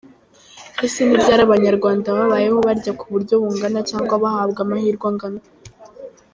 ese ni ryari abanyarwanda babayeho barya ku buryo bungana cyangwa bahabwa amahirwe angana?